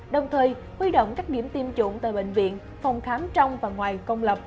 đồng thời huy động các điểm tiêm chủng tại bệnh viện phòng khám trong và ngoài công lập